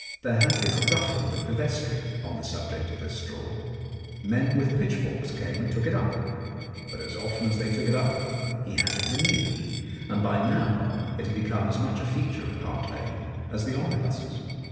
There had been a ruffle with the vestry on the subject. of this straw. Men with pitch forks came and took it up. But as often as they took it up he had it renewed, and by now it had become as much a feature of Park Lane as the omnibuses.